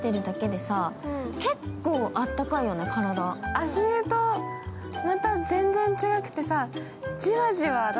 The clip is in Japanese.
足湯とまた全然違くてさ。